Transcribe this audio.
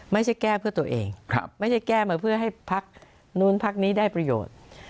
ไม่ใช่แก้เพื่อตัวเองไม่ใช่แก้มาเพื่อให้พักนู้นพักนี้ได้ประโยชน์